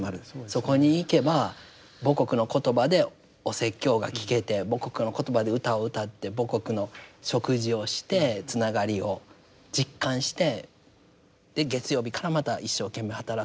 そこに行けば母国の言葉でお説教が聞けて母国の言葉で歌を歌って母国の食事をしてつながりを実感してで月曜日からまた一生懸命働くっていう。